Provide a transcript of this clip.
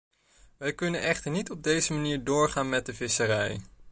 Wij kunnen echter niet op deze manier doorgaan met de visserij.